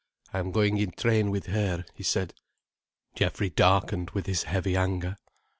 "I'm going in train with her," he said. Geoffrey darkened with his heavy anger.